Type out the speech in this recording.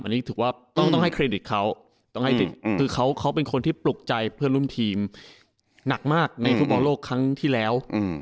อันนี้ถือว่าต้องให้เครดิตเขาต้องให้เด็กคือเขาเป็นคนที่ปลุกใจเพื่อนร่วมทีมหนักมากในฟุตบอลโลกครั้งที่แล้ว